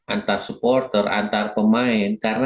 antara supporter antara pemain